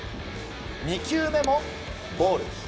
２球目もボール。